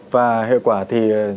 và hiệu quả thì